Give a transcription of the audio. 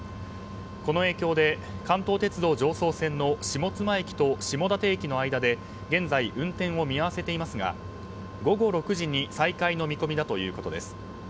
この影響で関東鉄道常総線の下妻駅と下館駅の間で現在、運転を見合わせていますが午後６時に再開の見込みだということです。